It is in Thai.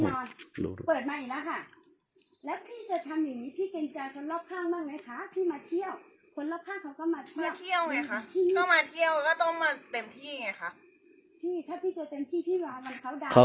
มาเที่ยวไงค่ะก็มาเที่ยวก็ต้องมาเต็มที่ไงค่ะ